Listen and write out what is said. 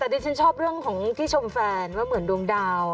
แต่ดิฉันชอบเรื่องของที่ชมแฟนว่าเหมือนดวงดาว